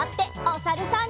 おさるさん。